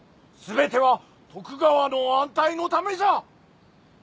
全ては徳川の安泰のためじゃ。